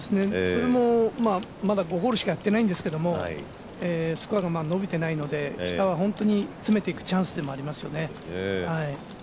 まだ５ホールしかやってないんですけどスコアが伸びてないので下は本当に攻めていくチャンスでもありますね。